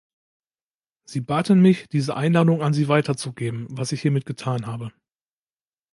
Sie baten mich, diese Einladung an Sie weiterzugeben, was ich hiermit getan habe.